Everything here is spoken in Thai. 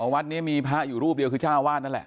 วัดนี้มีพระอยู่รูปเดียวคือเจ้าวาดนั่นแหละ